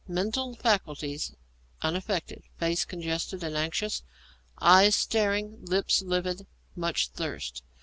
Mental faculties unaffected, face congested and anxious; eyes staring, lips livid; much thirst.